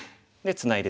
ツナいで